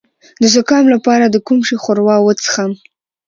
د زکام لپاره د کوم شي ښوروا وڅښم؟